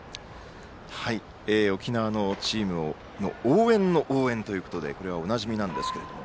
沖縄のチームの応援の応援ということでこれは、おなじみなんですけども。